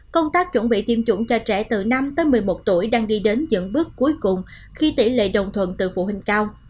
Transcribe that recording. công tác chuẩn bị tiêm chủng cho trẻ từ năm tới một mươi một tuổi đang đi đến dẫn bước cuối cùng khi tỷ lệ đồng thuận từ phụ huynh cao